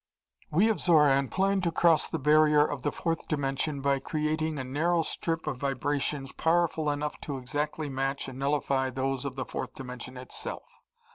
We of Xoran plan to cross the barrier of the fourth dimension by creating a narrow strip of vibrations powerful enough to exactly match and nullify those of the fourth dimension itself.